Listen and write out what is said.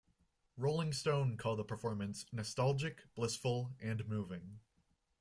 "Rolling Stone" called the performance "nostalgic, blissful, and moving.